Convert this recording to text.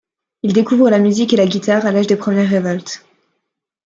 Il découvre la musique et la guitare à l'âge des premières révoltes.